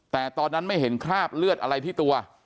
แต่ตอนนั้นไม่เห็นคราบเลือดอะไรที่ตัว